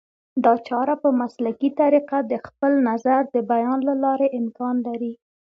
دا چاره په مسلکي طریقه د خپل نظر د بیان له لارې امکان لري